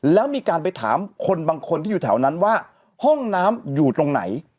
แล้วมีการไปถามคนบางคนที่อยู่แถวนั้นว่าห้องน้ำอยู่ตรงไหน